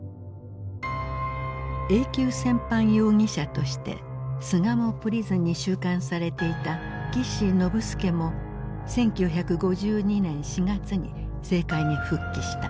Ａ級戦犯容疑者として巣鴨プリズンに収監されていた岸信介も１９５２年４月に政界に復帰した。